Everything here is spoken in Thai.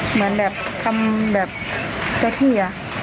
เหมือนแบบทำแบบเจ้าที่